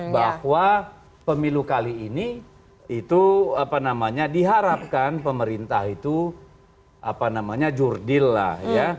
bahwa pemilu kali ini itu apa namanya diharapkan pemerintah itu jurdil lah ya